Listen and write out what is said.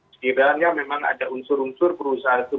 setidaknya memang ada unsur unsur perusahaan itu